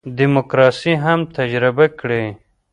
دیموکراسي هم تجربه کړي.